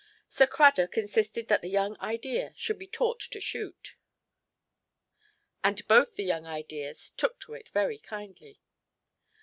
Sir Cradock insisted that the young idea should be taught to shoot, and both the young ideas took to it very kindly.